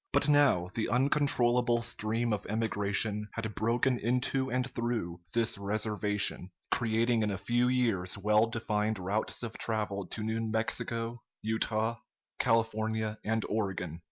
But now the uncontrollable stream of emigration had broken into and through this reservation, creating in a few years well defined routes of travel to New Mexico, Utah, California, and Oregon.